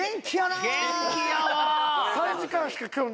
元気やわー！